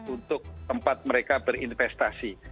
untuk tempat mereka berinvestasi